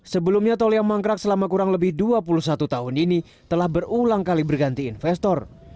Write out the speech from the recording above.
sebelumnya tol yang mangkrak selama kurang lebih dua puluh satu tahun ini telah berulang kali berganti investor